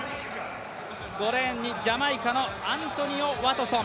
５レーンにジャマイカのアントニオ・ワトソン。